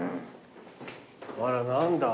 あれ何だ？